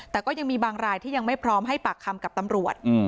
แต่ก็ยังมีบางรายที่ยังไม่พร้อมให้ปากคำกับตำรวจ